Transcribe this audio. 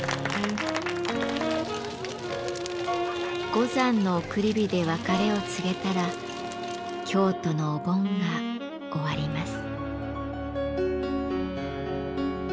五山の送り火で別れを告げたら京都のお盆が終わります。